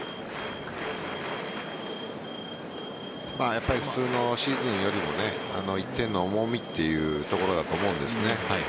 やっぱり普通のシーズンよりも１点の重みというところだと思うんですね。